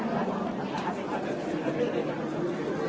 ถามว่ามันอาจารย์ก็เป็น